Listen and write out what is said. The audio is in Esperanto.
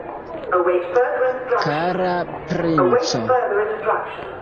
Kara princo!